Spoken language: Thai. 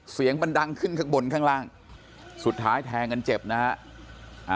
เสียงมันดังขึ้นข้างบนข้างล่างสุดท้ายแทงกันเจ็บนะฮะ